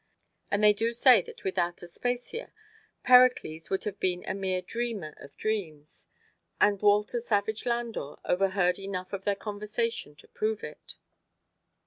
And they do say that without Aspasia Pericles would have been a mere dreamer of dreams, and Walter Savage Landor overheard enough of their conversation to prove it.